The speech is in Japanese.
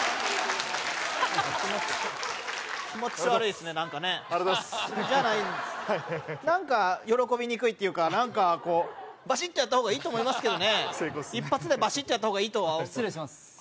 気持ち悪いですね何かねありがとうございますじゃないんです何か喜びにくいっていうか何かこうバシッとやった方がいいと思いますけどね一発でバシッとやった方が失礼します